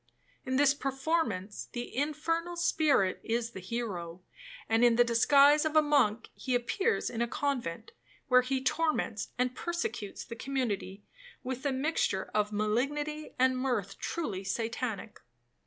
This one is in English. In this performance the infernal spirit is the hero, and in the disguise of a monk he appears in a convent, where he torments and persecutes the community with a mixture of malignity and mirth truly Satanic.